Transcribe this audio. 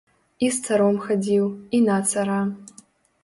І з царом хадзіў, і на цара.